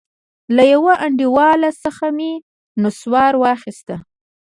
له يوه انډيوال څخه مې نسوار واخيست.